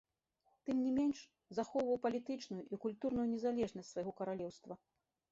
Тым не менш, захоўваў палітычную і культурную незалежнасць свайго каралеўства.